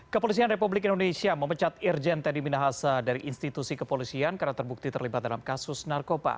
kepolisian republik indonesia memecat irjen teddy minahasa dari institusi kepolisian karena terbukti terlibat dalam kasus narkoba